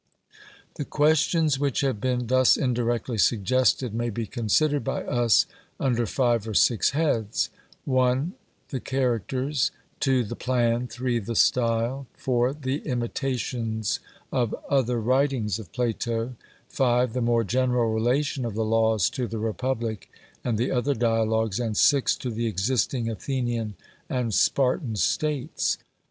The questions which have been thus indirectly suggested may be considered by us under five or six heads: I, the characters; II, the plan; III, the style; IV, the imitations of other writings of Plato; V; the more general relation of the Laws to the Republic and the other dialogues; and VI, to the existing Athenian and Spartan states.